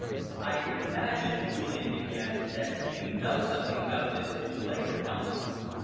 "I imagine," Julian began, "that you know something about this new Labour Council?"